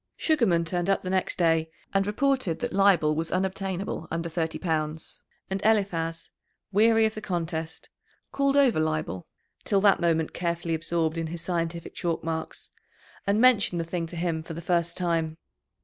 Sugarman turned up the next day, and reported that Leibel was unobtainable under thirty pounds, and Eliphaz, weary of the contest, called over Leibel, till that moment carefully absorbed in his scientific chalk marks, and mentioned the thing to him for the first time.